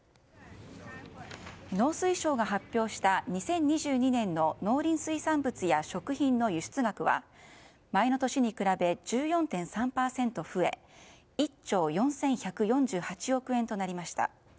農水省が発表した２０２２年の農林水産物や食品の輸出額は前の年に比べ１４．３％増え１兆４１４８億円となりました。